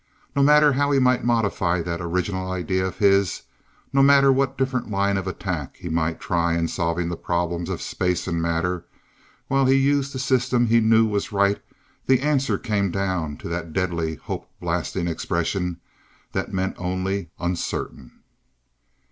No matter how he might modify that original idea of his, no matter what different line of attack he might try in solving the problems of Space and Matter, while he used the system he knew was right the answer came down to that deadly, hope blasting expression that meant only "uncertain."